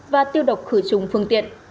và tiêu độc khử trùng phương tiện